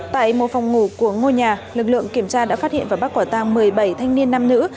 tại một phòng ngủ của ngôi nhà lực lượng kiểm tra đã phát hiện và bắt quả tang một mươi bảy thanh niên nam nữ